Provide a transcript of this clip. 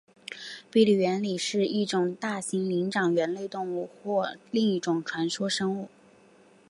比利猿里的一种大型灵长类猿类动物或另一种传说生物。